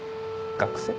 学生？